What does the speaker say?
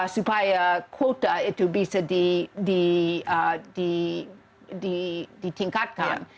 supaya kuota itu bisa ditingkatkan